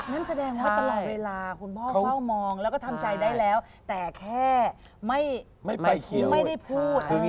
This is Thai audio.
นั่นแสดงว่าตลอดเวลาคุณพ่อเฝ้ามองแล้วก็ทำใจได้แล้วแต่แค่ไม่ได้พูด